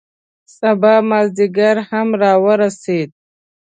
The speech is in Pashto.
سبا مازدیګر هم را ورسید.